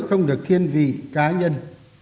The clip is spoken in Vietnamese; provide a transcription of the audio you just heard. không được thiên vị cá nhân